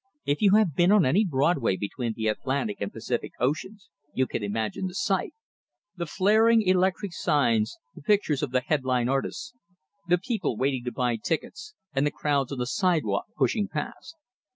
If you have been on any Broadway between the Atlantic and Pacific oceans, you can imagine the sight; the flaring electric signs, the pictures of the head line artists, the people waiting to buy tickets, and the crowds on the sidewalk pushing past.